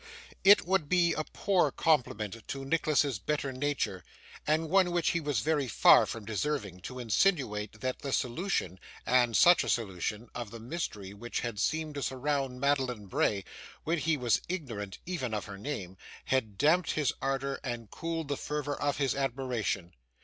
It would be a poor compliment to Nicholas's better nature, and one which he was very far from deserving, to insinuate that the solution, and such a solution, of the mystery which had seemed to surround Madeline Bray, when he was ignorant even of her name, had damped his ardour or cooled the fervour of his admiration.